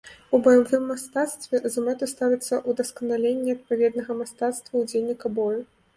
У баявым мастацтве за мэту ставіцца ўдасканаленне адпаведнага мастацтва ўдзельніка бою.